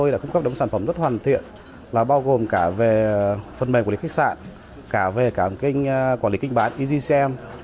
rất hoàn thiện là bao gồm cả về phần mềm quản lý khách sạn cả về cả quản lý kinh bán easycm